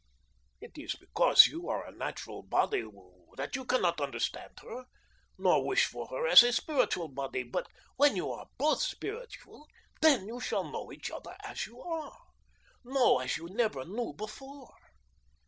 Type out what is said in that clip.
It is because you are a natural body that you cannot understand her, nor wish for her as a spiritual body, but when you are both spiritual, then you shall know each other as you are know as you never knew before.